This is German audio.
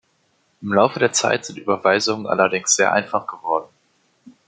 Im Laufe der Zeit sind Überweisungen allerdings sehr einfach geworden.